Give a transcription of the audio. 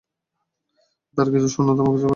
তার কিছু কথা শুন এবং তা মুখস্ত করে এসো।